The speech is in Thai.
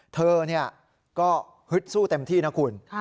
เธอก็ฮึดสู้เต็มที่นะคุณ